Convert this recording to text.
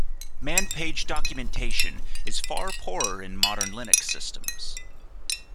Manpage documentation is far poorer in modern Linux systems.